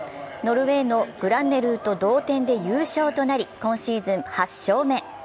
ノルウェーのグランネルーと同点で優勝となり今シーズン８勝目。